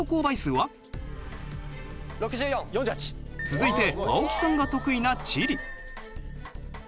続いて青木さんが得意な地理。